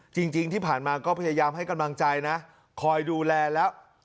จริงที่ผ่านมาก็พยายามให้กำลังใจนะคอยดูแลแล้ว